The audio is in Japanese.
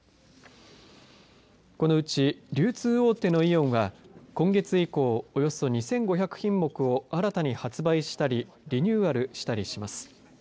このうち流通大手のイオンは今月以降、およそ２５００品目を新たに発売したりリニューアルしたりします。